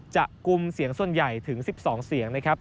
กลุ่มเสียงส่วนใหญ่ถึง๑๒เสียงนะครับ